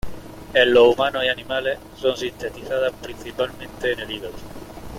En los humanos y animales, son sintetizadas principalmente en el hígado.